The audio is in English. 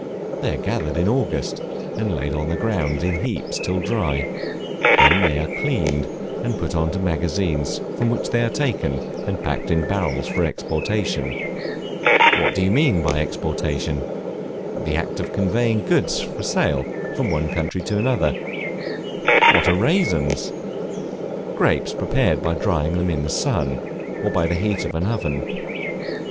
They are gathered in August, and laid on the ground in heaps till dry; they are then cleaned, and put into magazines, from which they are taken and packed in barrels for exportation. What do you mean by Exportation? The act of conveying goods for sale from one country to another. What are Raisins? Grapes prepared by drying them in the sun, or by the heat of an oven.